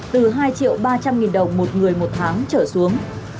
từ hai triệu ba trăm linh nghìn đồng một người một tháng trở xuống